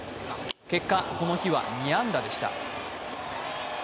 結果、この日は２安打でした。